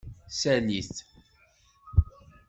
Sali-t.